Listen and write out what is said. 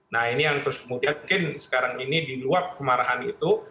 nah ini yang terus kemudian mungkin sekarang ini diluap kemarahan itu